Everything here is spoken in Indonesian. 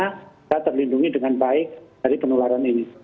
kita terlindungi dengan baik dari penularan ini